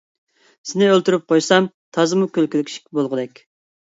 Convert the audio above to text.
سېنى ئۆلتۈرۈپ قويسام، تازىمۇ كۈلكىلىك ئىش بولغۇدەك.